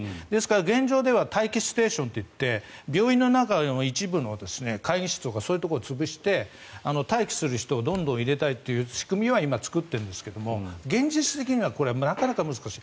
現状では待機ステーションといって病院の中の一部の会議室とかそういうところを潰して待機する人をどんどん入れるような仕組みは今、作ってるんですが現実的にはこれはなかなか難しい。